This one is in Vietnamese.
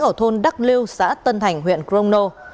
ở thôn đắk liêu xã tân thành huyện crono